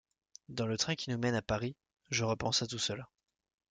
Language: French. Dans le train qui nous mène à Paris, je repense à tout cela.